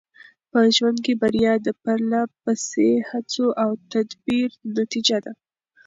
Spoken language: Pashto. په ژوند کې بریا د پرله پسې هڅو او تدبیر نتیجه ده.